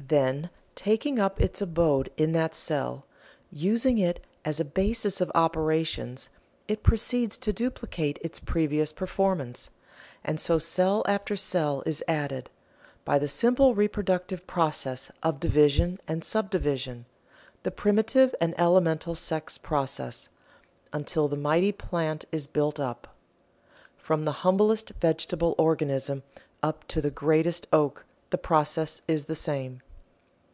Then taking up its abode in that cell using it as a basis of operations, it proceeds to duplicate its previous performance, and so cell after cell is added, by the simple reproductive process of division and subdivision the primitive and elemental sex process until the mighty plant is built up. From the humblest vegetable organism up to the greatest oak the process is the same.